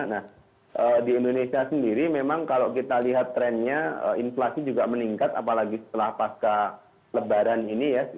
nah di indonesia sendiri memang kalau kita lihat trennya inflasi juga meningkat apalagi setelah pasca lebaran ini ya